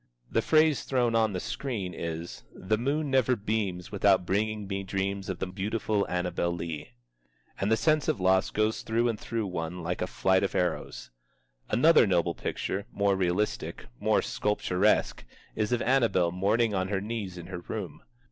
The phrase thrown on the screen is "The moon never beams without bringing me dreams of the beautiful Annabel Lee." And the sense of loss goes through and through one like a flight of arrows. Another noble picture, more realistic, more sculpturesque, is of Annabel mourning on her knees in her room.